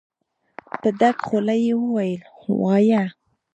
په ډکه خوله يې وويل: وايه!